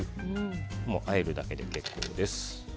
あえるだけで結構です。